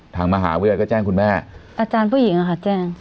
ทางมหาวิทยาลัยก็แจ้งคุณแม่อาจารย์ผู้หญิงอะค่ะแจ้ง